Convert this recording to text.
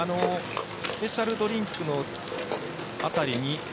スペシャルドリンクの辺りに。